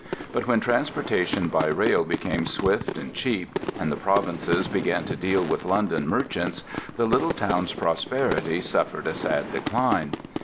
But when transportation by rail became swift and cheap and the provinces began to deal with London merchants, the little town's prosperity suffered a sad decline.